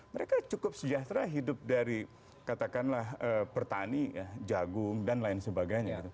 mereka cukup sejahtera hidup dari katakanlah pertani jagung dan lain sebagainya